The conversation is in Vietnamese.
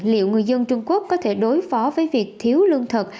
liệu người dân trung quốc có thể đối phó với việc thiếu lương thực